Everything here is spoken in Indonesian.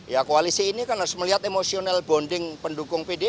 ya koalisi ini kan harus melihat emotional bonding pendukung pdip